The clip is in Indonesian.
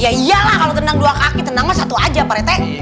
ya iyalah kalau tenang dua kaki tenanglah satu aja pak rt